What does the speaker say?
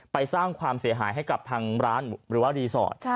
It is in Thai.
สร้างความเสียหายให้กับทางร้านหรือว่ารีสอร์ท